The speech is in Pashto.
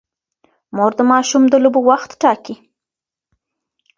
مور د ماشوم د لوبو وخت ټاکي.